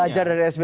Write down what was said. belajar dari sby